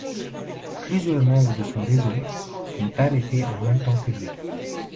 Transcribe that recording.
Plusieurs membres de son réseau sont arrêtés en même temps que lui.